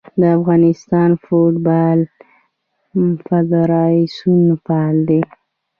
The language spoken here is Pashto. د افغانستان فوټبال فدراسیون فعال دی.